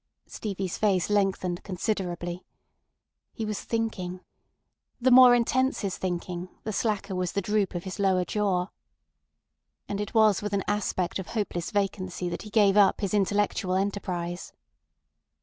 Stevie's face lengthened considerably. He was thinking. The more intense his thinking, the slacker was the droop of his lower jaw. And it was with an aspect of hopeless vacancy that he gave up his intellectual enterprise.